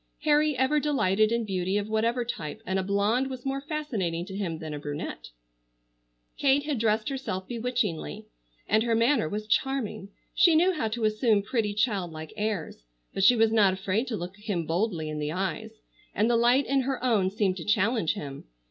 Harry ever delighted in beauty of whatever type, and a blonde was more fascinating to him than a brunette. Kate had dressed herself bewitchingly, and her manner was charming. She knew how to assume pretty child like airs, but she was not afraid to look him boldly in the eyes, and the light in her own seemed to challenge him.